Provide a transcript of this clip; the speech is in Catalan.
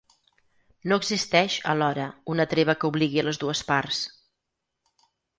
No existeix, alhora, una treva que obligui a les dues parts.